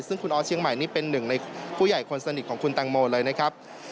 ซึ่งคุณออสเชียงใหม่นี่เป็นหนึ่งในผู้ใหญ่คนสนิทของคุณตังโมเลยนะครับ